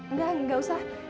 nggak nggak usah